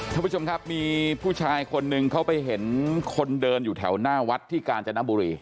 ท่านผู้ชมครับมีผู้ชายคนหนึ่งเขาไปเห็นคนเดินอยู่แถวหน้าวัดที่กาญจนบุรี